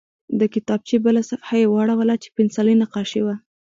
د کتابچې بله صفحه یې واړوله چې پنسلي نقاشي وه